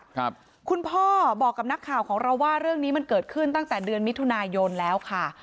คุณพ่อบอกกับนักข่าวของเราว่าเรื่องนี้มันเกิดขึ้นตั้งแต่เดือนมิถุนายนแล้วค่ะ